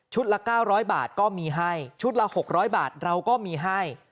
ละ๙๐๐บาทก็มีให้ชุดละ๖๐๐บาทเราก็มีให้